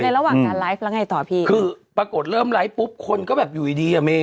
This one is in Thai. ระหว่างการไลฟ์แล้วไงต่อพี่คือปรากฏเริ่มไลฟ์ปุ๊บคนก็แบบอยู่ดีดีอ่ะเมย